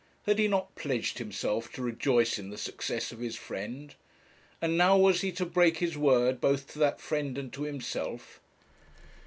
Had he not pledged himself to rejoice in the success of his friend? and now was he to break his word both to that friend and to himself?